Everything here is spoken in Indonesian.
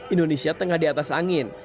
indonesia tengah di atas angin